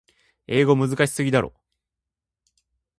英語むずかしすぎだろ。